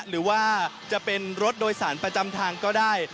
หรือว่าจะเป็นรถโดยสารประจำทางก็ได้